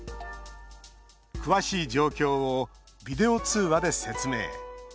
詳しい状況をビデオ通話で説明。